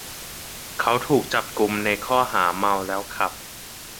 เขาถูกจับกุมในข้อหาเมาแล้วขับ